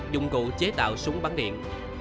dụng cụ chế tạo súng bắn điện